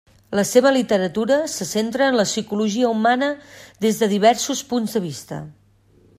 La seva literatura se centra en la psicologia humana des de diversos punts de vista.